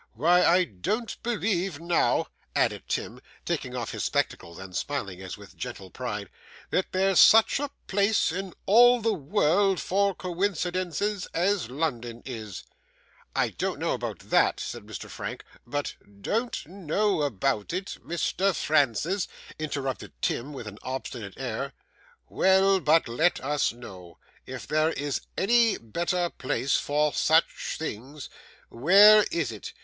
Why, I don't believe now,' added Tim, taking off his spectacles, and smiling as with gentle pride, 'that there's such a place in all the world for coincidences as London is!' 'I don't know about that,' said Mr. Frank; 'but ' 'Don't know about it, Mr. Francis!' interrupted Tim, with an obstinate air. 'Well, but let us know. If there is any better place for such things, where is it?